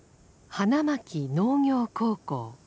花巻農業高校。